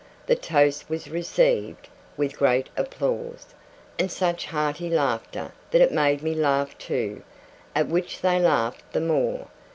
The toast was received with great applause, and such hearty laughter that it made me laugh too; at which they laughed the more.